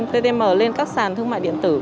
ttm lên các sàn thương mại điện tử